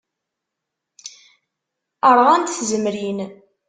Ṛɣant tzemrin.